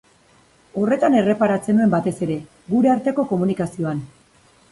Horretan erreparatzen nuen batez ere, gure arteko komunikazioan.